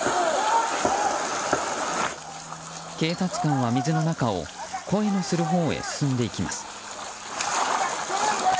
警察官は、水の中を声のするほうへ進んでいきます。